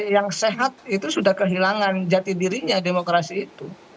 yang sehat itu sudah kehilangan jati dirinya demokrasi itu